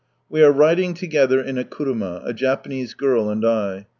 We are riding together in a kuruma, a Japanese girl and I.